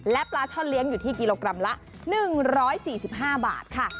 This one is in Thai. และปลาช่อนเลี้ยงอยู่ที่กิโลกรัมละ๑๔๕บาทค่ะ